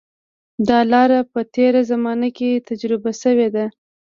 دا لاره په تېره زمانه کې تجربه شوې ده.